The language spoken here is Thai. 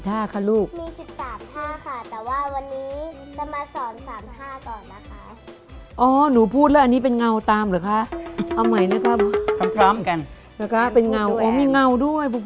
แต่ต้องเอาตัวช่วยมาช่วยสอนป๊านาวด้วย